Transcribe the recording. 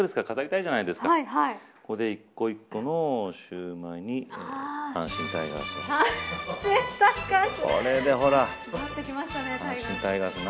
ここで１個１個のシューマイに阪神タイガースを。